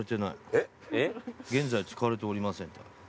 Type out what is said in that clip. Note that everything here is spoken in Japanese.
現在使われておりません。